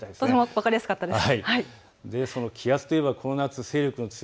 分かりやすかったです。